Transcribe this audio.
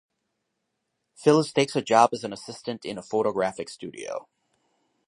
Phyllis takes a job as an assistant in a photographic studio.